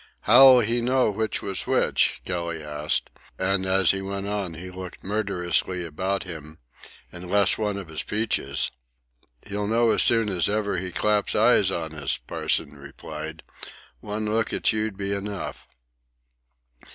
"How'll he know which was which?" Kelly asked, and as he went on he looked murderously about him—"unless one of us peaches." "He'll know as soon as ever he claps eyes on us," Parsons replied. "One look at you'd be enough."